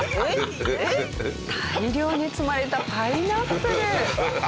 大量に積まれたパイナップル。